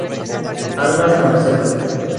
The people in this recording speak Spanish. Armas Marcelo.